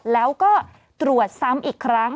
แล้วก็ตรวจซ้ำอีกครั้ง